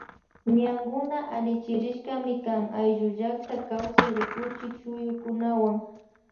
Ñañnkuna allichirishkami kan ayllu llakta kawsay rikuchik shuyukunawan.